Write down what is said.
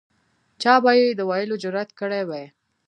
چا به یې د ویلو جرأت کړی وای.